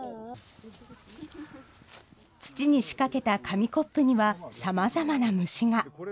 土に仕掛けた紙コップには、さまざまな虫が。